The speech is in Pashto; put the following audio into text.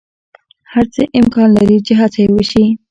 هر څه امکان لری چی هڅه یی وشی